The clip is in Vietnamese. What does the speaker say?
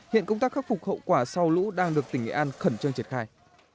hiện công tác khắc phục hậu quả sau lũ đang được tỉnh nghệ an khẩn trương triển khai